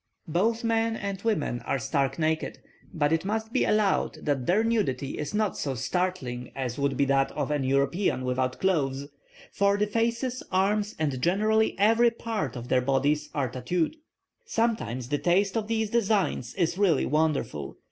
"Both men and women are stark naked; but it must be allowed that their nudity is not so startling as would be that of an European without clothes, for the faces, arms, and generally every part of their bodies are tattooed. Sometimes the taste of these designs is really wonderful.